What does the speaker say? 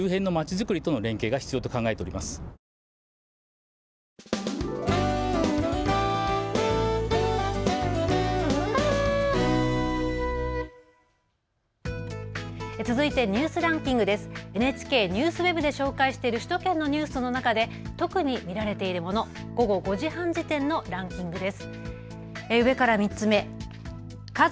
ＮＨＫＮＥＷＳＷＥＢで紹介している首都圏のニュースの中で特に見られているもの、午後５時半時点のランキングです。